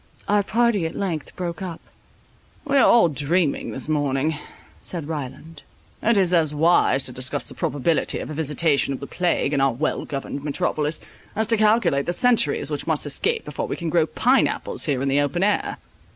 Our party at length broke up; "We are all dreaming this morning," said Ryland, "it is as wise to discuss the probability of a visitation of the plague in our well governed metropolis, as to calculate the centuries which must escape before we can grow pine apples here in the open air."